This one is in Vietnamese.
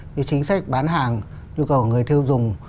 như chính sách bán hàng nhu cầu của người thương dùng